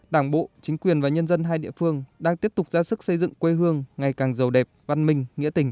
đảng bộ chính quyền và nhân dân hai địa phương đang tiếp tục ra sức xây dựng quê hương ngày càng giàu đẹp văn minh nghĩa tình